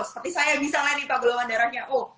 seperti saya misalnya nih pak golongan darahnya o